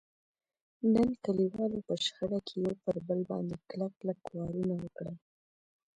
نن کلیوالو په شخړه کې یو پر بل باندې کلک کلک وارونه وکړل.